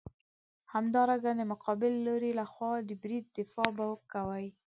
همدارنګه د مقابل لوري لخوا د برید دفاع به کوې.